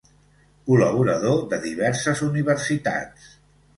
Col·laborador de diverses universitats.